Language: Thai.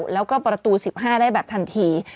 แล้วก็ประตู๑๕ได้แบบทันที